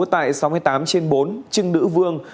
tại sáu mươi tám trên bốn trưng nữ vương